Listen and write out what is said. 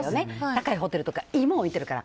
高いホテルとかいいもの置いてるから。